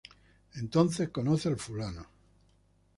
Entonces conoce a Mr.